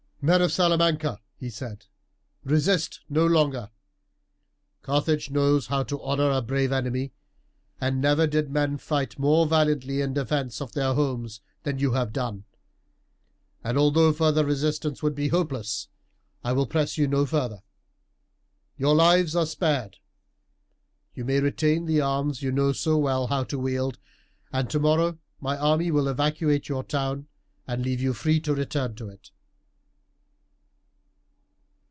"Men of Salamanca," he said, "resist no longer. Carthage knows how to honour a brave enemy, and never did men fight more valiantly in defence of their homes than you have done, and although further resistance would be hopeless, I will press you no further. Your lives are spared. You may retain the arms you know so well how to wield, and tomorrow my army will evacuate your town and leave you free to return to it."